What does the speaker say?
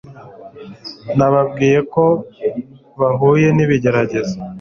Nababwiye ko bahuye nibigeragezo